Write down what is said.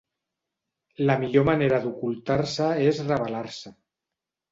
La millor manera d'ocultar-se és revelar-se.